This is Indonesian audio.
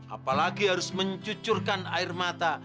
apalagi harus mencucurkan air mata